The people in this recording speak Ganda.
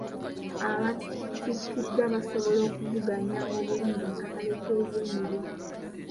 Abattikiddwa basobola okuvuganya obulungi mu katale ky'ebyemirimu.